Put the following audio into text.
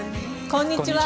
こんにちは。